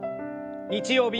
日曜日